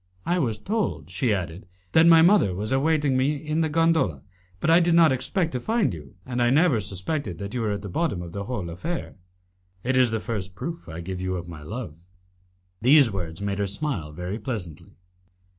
"I was told," she added, "that my mother was waiting for me in the gondola, but I did not expect to find you, and I never suspected that you were at the bottom of the whole affair." "It is the first proof I give you of my love." These words made her smile very pleasantly.